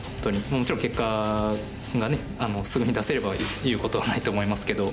もちろん結果がねすぐに出せれば言うことはないと思いますけど。